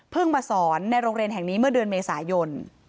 มาสอนในโรงเรียนแห่งนี้เมื่อเดือนเมษายน